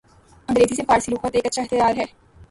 انگریزی سے فارسی لغت ایک اچھا اختیار ہے۔